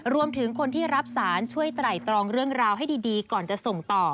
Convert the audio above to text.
รวมถึงคนที่รับสารช่วยไตรตรองเรื่องราวให้ดีก่อนจะส่งต่อ